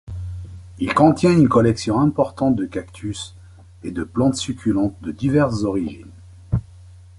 Il contient une collection importante de cactus et de plantes succulentes de diverses origines.